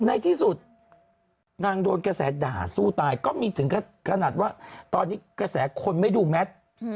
ในที่สุดนางโดนกระแสด่าสู้ตายก็มีถึงขนาดว่าตอนนี้กระแสคนไม่ดูแมท